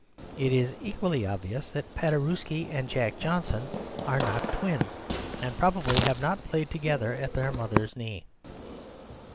It is equatfy obvious that Pade rewski and Jack Johnson are not twins, and probably have not played together at their mother's knee.